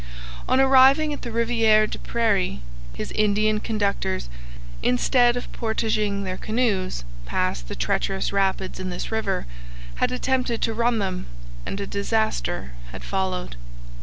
On arriving at the Riviere des Prairies, his Indian conductors, instead of portaging their canoes past the treacherous rapids in this river, had attempted to run them, and a disaster had followed.